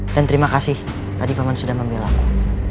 dan terima kasih tadi pemen sudah membelaku